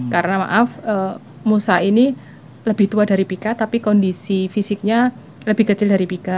karena maaf musa ini lebih tua dari pika tapi kondisi fisiknya lebih kecil dari pika